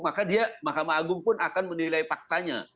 maka dia mahkamah agung pun akan menilai faktanya